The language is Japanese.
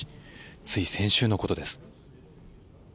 つい先週のことです。